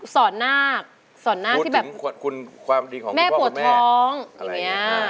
สอนหน้าสอนหน้าที่แบบความดีของคุณพ่อคุณแม่แม่ปวดท้องอย่างเนี้ย